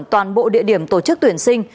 toàn bộ địa điểm tổ chức tuyển sinh